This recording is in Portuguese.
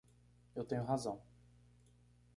Eu tenho razão.